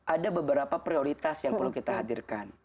ada beberapa prioritas yang perlu kita hadirkan